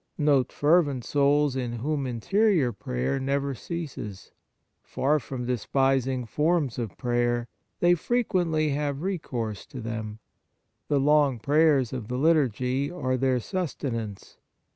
Note fervent souls in whom interior prayer never ceases. Far from despising forms of prayer, they frequently have recourse to them. The long prayers of the liturgy are their sustenance.